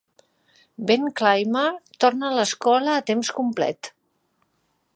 Ben Clymer torna a l'escola a temps complet.